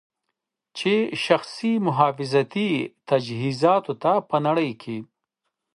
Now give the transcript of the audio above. چې شخصي محافظتي تجهیزاتو ته په نړۍ کې